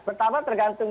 nah pertama tergantung